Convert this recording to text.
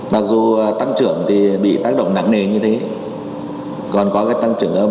mặc dù tăng trưởng thì bị tác động nặng nề như thế còn có cái tăng trưởng âm